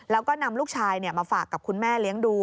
แล้วก็นำลูกชายมาฝากกับคุณแม่เลี้ยงดู